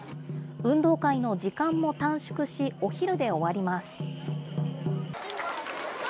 運動会の時間も短縮し、お昼で終わります。